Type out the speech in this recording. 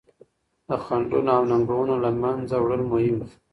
د خنډونو او ننګونو له منځه وړل مهم دي.